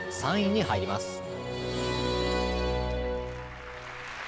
３位に入ります。